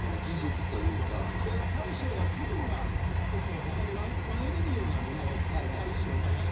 だから大将が気分がちょっと他に紛れるようなものを大将がやれば。